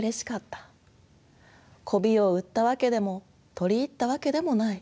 媚を売ったわけでも取り入ったわけでもない。